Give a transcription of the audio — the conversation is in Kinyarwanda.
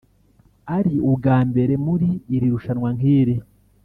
ari ubwa mbere muri iri rushanwa nk’iri